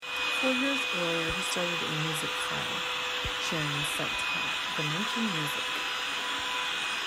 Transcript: Four years earlier, he started a music file-sharing site called Dimension Music.